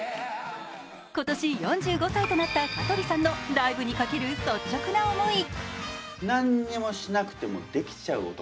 今年４５歳となった香取さんのライブにかける率直な思い。